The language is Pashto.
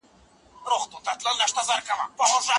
رود به هم له سمندر سره ګډیږي